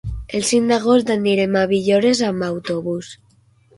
El cinc d'agost anirem a Villores amb autobús.